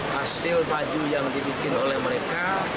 hasil baju yang dibikin oleh mereka